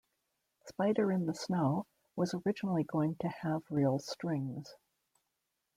"Spider in the Snow" was originally going to have real strings.